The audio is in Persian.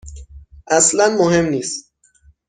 اصلا مهم نیست.